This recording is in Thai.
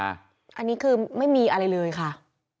อันนี้คือไม่มีอะไรเลยค่ะ